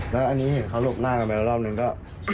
แล้วอันนี้เห็นเขาหลบหน้ากันไปแล้วรอบนึงก็